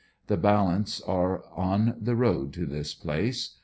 The balance are on the road to this place.